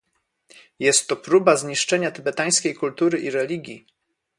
jest to próba zniszczenia tybetańskiej kultury i religii